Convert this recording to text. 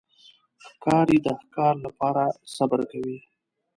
ښکاري د ښکار لپاره صبر کوي.